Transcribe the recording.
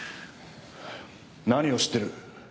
何を知ってる？